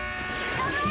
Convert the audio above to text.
頑張れ。